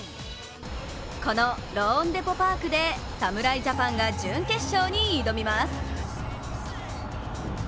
このローンデポ・パークで侍ジャパンが準決勝に挑みます。